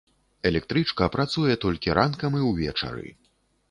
Электрычка працуе толькі ранкам і ўвечары.